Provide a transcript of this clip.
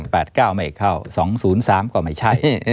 ๘๙ไม่เข้า๒๐๓ก็ไม่ใช่